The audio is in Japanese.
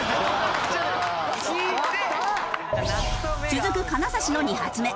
続く金指の２発目。